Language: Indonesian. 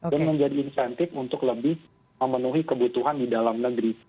dan menjadi insentif untuk lebih memenuhi kebutuhan di dalam negeri